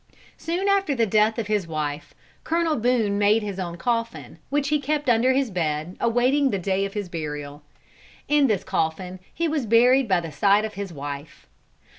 Soon after the death of his wife, Colonel Boone made his own coffin, which he kept under his bed awaiting the day of his burial. In this coffin he was buried by the side of his wife.